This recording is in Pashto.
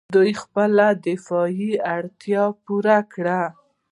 دوی خپله دفاعي اړتیا پوره کوي.